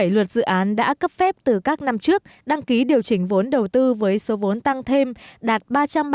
bảy mươi bảy luật dự án đã cấp phép từ các năm trước đăng ký điều chỉnh vốn đầu tư với số vốn tăng thêm đạt ba trăm ba mươi bốn triệu usd